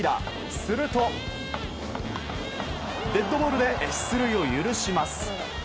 すると、デッドボールで出塁を許します。